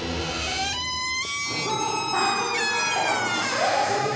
ここで番組スタッフからサプライズ！